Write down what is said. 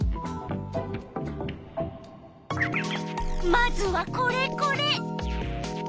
まずはこれこれ。